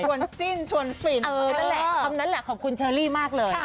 จิ้นชวนฟินนั่นแหละคำนั้นแหละขอบคุณเชอรี่มากเลย